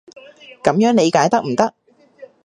噉樣理解得唔得？